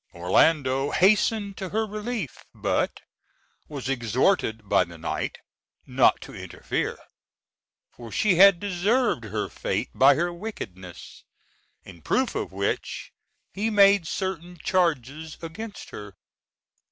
Orlando hastened to her relief, but was exhorted by the knight not to interfere, for she had deserved her fate by her wickedness. In proof of which he made certain charges against her.